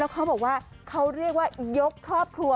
เขาบอกว่าเขาเรียกว่ายกครอบครัว